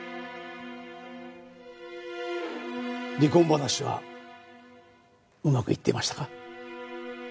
離婚話はうまくいっていましたか？